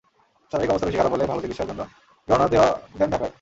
শারীরিক অবস্থা বেশি খারাপ হলে ভালো চিকিৎসার জন্য রওনা দেন ঢাকায়।